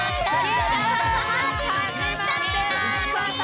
始まりました！